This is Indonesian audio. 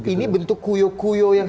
ini bentuk kuyok kuyok yang